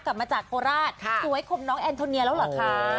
กลับมาจากโคราชสวยขมน้องแอนโทเนียแล้วเหรอคะ